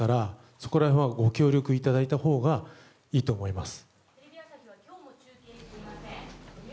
そこら辺はご協力いただいたほうがいいと思います。